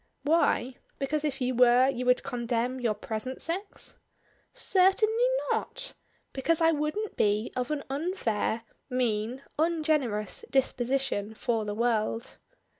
"Why? Because, if you were, you would condemn your present sex?" "Certainly not! Because I wouldn't be of an unfair, mean, ungenerous disposition for the world."